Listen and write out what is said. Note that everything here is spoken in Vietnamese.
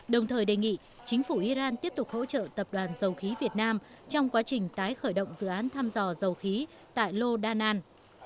đồng thời đề nghị chính phủ iran tiếp tục hỗ trợ tập đoàn dầu khí việt nam trong quá trình tái khởi động dự án thăm dò dầu khí tại lo đanan